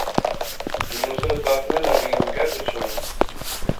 نصرت آخنے لاغی، ہن کہہ پچھاں